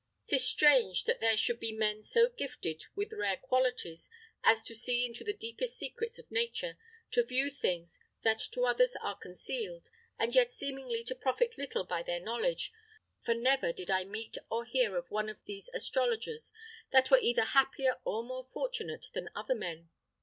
'Tis strange that there should be men so gifted with rare qualities as to see into the deepest secrets of nature, to view things that to others are concealed, and yet seemingly to profit little by their knowledge; for never did I meet or hear of one of these astrologers that were either happier or more fortunate than other men.